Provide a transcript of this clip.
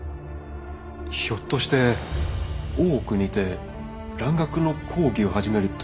ひょっとして大奥にて蘭学の講義を始めるというのは。